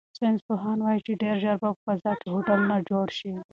ساینس پوهان وایي چې ډیر ژر به په فضا کې هوټلونه جوړ شي.